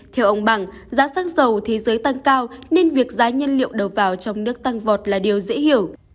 theo ông bằng giá xăng dầu thế giới tăng cao nên việc giá nhân liệu đầu vào trong nước tăng vọt là điều dễ hiểu